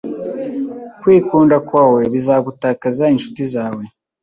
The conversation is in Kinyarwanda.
Kwikunda kwawe bizagutakaza inshuti zawe.